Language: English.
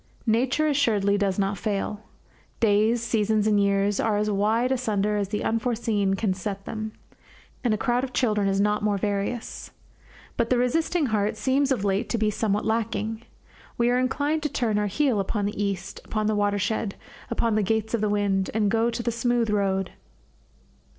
Nature assuredly does not fail. Days, seasons, and years are as wide asunder as the unforeseen can set them, and a crowd of children is not more various. But the resisting heart seems of late to be somewhat lacking. We are inclined to turn our heel upon the East, upon the watershed, upon the gates of the wind, and to go the smooth road.